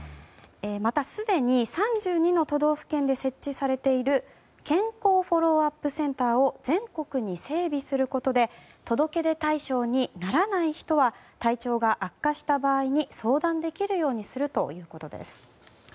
また、すでに３２の都道府県で設置されている健康フォローアップセンターを全国に整備することで届け出対象にならない人は体調が悪化した場合に相談できるようにするということです。